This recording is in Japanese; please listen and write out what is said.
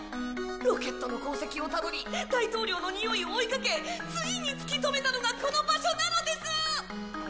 ロケットの航跡をたどり大統領のにおいを追いかけついに突き止めたのがこの場所なのです！